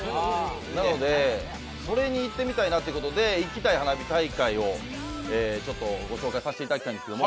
なので、それに行ってみたいなということで行きたい花火大会をご紹介させていただきたいんです。